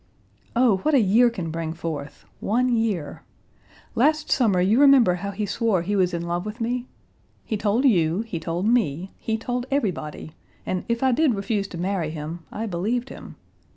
"Oh, what a year can bring forth one year! Last summer you remember how he swore he was in love with me? He told you, he told me, he told everybody, and if I did refuse to marry him I believed him.